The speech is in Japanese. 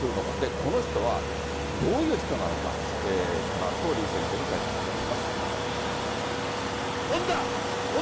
この人は、どういう人なのか、このあと、李先生に解説いただきます。